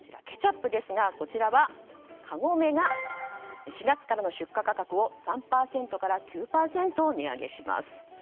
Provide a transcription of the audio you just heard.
ケチャップですがこちらはカゴメが４月からの出荷価格を３％から９％値上げします。